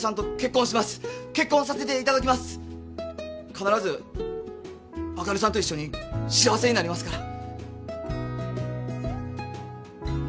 必ずあかりさんと一緒に幸せになりますから。